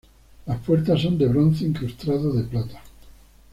Las puertas son de bronce incrustado de plata.